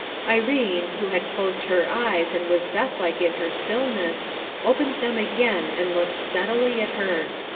Irene, who had closed her eyes and was death like in her stillness, opened them again and looked steadily at her.